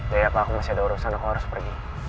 ya ya pak aku masih ada urusan aku harus pergi